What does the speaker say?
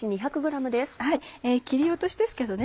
切り落としですけどね